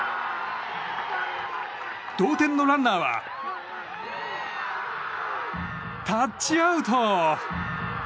同点のランナーはタッチアウト！